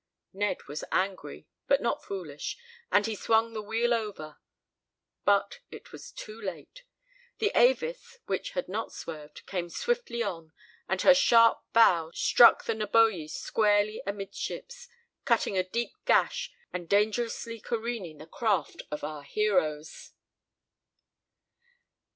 Ned was angry, but not foolish, and he swung the wheel over. But it was too late. The Avis, which had not swerved, came swiftly on, and her sharp bow struck the Neboje squarely amidships, cutting a deep gash and dangerously careening the craft of our heroes.